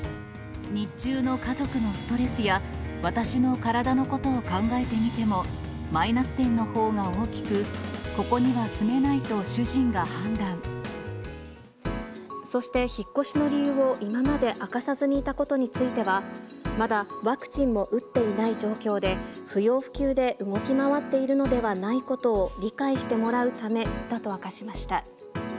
日中の家族のストレスや私の体のことを考えてみても、マイナス点のほうが大きく、そして、引っ越しの理由を今まで明かさずにいたことについては、まだワクチンも打っていない状況で、不要不急で動き回っているのではないことを理解してもらうためだと明かしました。